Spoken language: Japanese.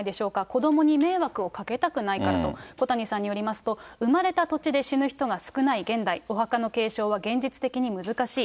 子どもに迷惑をかけたくないからと、小谷さんによりますと、生まれた土地で死ぬ人が少ない現代、お墓の継承は現実的に難しい。